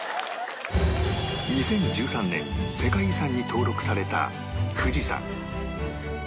２０１３年世界遺産に登録された富士山